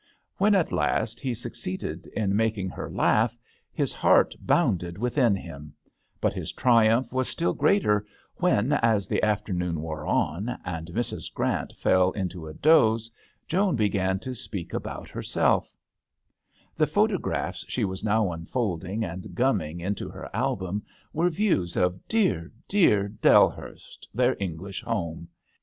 When at last he succeeded in making her laugh, his heart bounded within him; but his triumph was still greater when, as the afternoon wore on, and Mrs. Grant fell into a doze, Joan began to speak about hersel£ 3 34 7HE HdTEL D'aNGLBTERRB. The photographs she was now unfolding and gumming into her album were views of dear, dear Dellhurst, their English home.